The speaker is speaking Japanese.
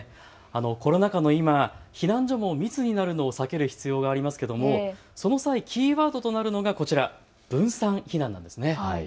コロナ禍の今、避難所も密になるのを避ける必要がありますけどもその際、キーワードとなるのが分散避難です。